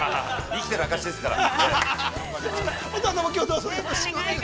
◆生きている証しですから。